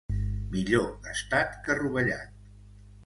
Millor gastat que rovellat.